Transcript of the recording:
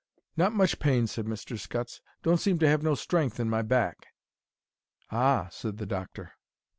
"Not much pain," said Mr. Scutts. "Don't seem to have no strength in my back." "Ah!" said the doctor.